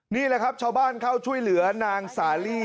นี่แหละครับชาวบ้านเข้าช่วยเหลือนางสาลี